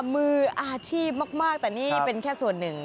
มืออาชีพมากแต่นี่เป็นแค่ส่วนหนึ่ง